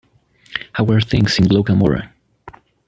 How Are Things in Glocca Morra?